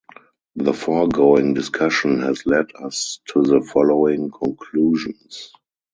The foregoing discussion has led us to the following conclusions.